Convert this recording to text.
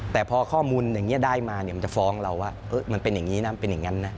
แต่พอข้อมูลอย่างนี้ได้มามันจะฟ้องเราว่ามันเป็นอย่างนี้นะเป็นอย่างนั้นนะ